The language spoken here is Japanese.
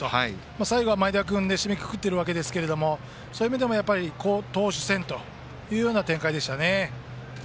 最後は前田君で締めくくっていますがそういう意味でも投手戦という展開でしたね。